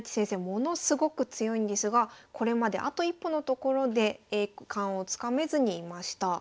ものすごく強いんですがこれまであと一歩のところで栄冠をつかめずにいました。